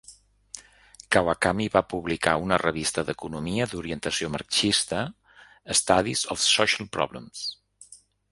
Kawakami va publicar una revista d'economia d'orientació marxista, Studies of Social Problems.